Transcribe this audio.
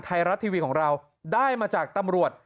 ไทยรัฐทีวีของเราได้มาจากตำรวจ